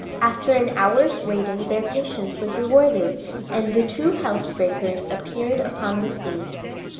After an hour's waiting, their patience was rewarded, and the two housebreakers appeared upon the scene.